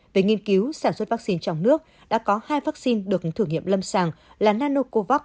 về nghiên cứu sản xuất vaccine trong nước đã có hai vaccine được thử nghiệm lâm sàng là nanocovax